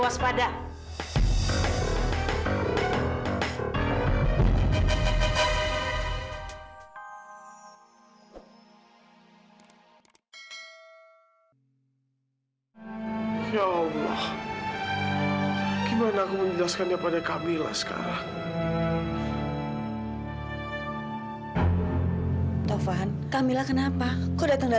sampai jumpa di video selanjutnya